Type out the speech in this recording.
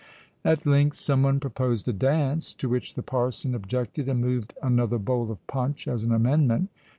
At length some one proposed a dance; to which the parson objected, and moved "another bowl of punch" as an amendment.